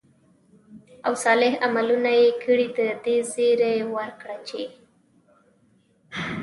او صالح عملونه ئې كړي، د دې زېرى وركړه چې: